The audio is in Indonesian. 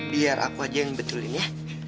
biar aku aja yang betulin ya